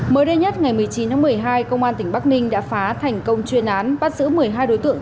mới đây nhất ngày một mươi chín tháng một mươi hai công an tỉnh bắc ninh đã phá thành công chuyên án bắt giữ một mươi hai đối tượng